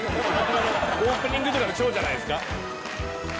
オープニングとかのショーじゃないですか？